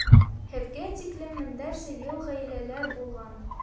Һеҙгә тиклем меңдәрсә йыл ғаиләләр булған.